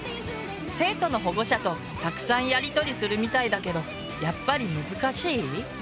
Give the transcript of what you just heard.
生徒の保護者とたくさんやりとりするみたいだけどやっぱり難しい？